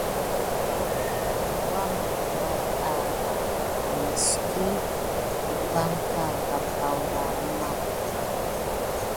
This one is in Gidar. Wanəmbat awrah miyzkit dupanka kam wabé wuna.